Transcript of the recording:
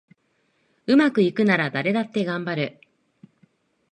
うまくいくなら誰だってがんばる